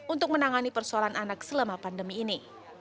untuk menangani persoalan anak selama pandemi ini